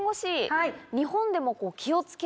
はい。